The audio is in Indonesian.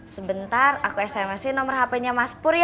sebentar aku sms in nomor hpnya mas pur ya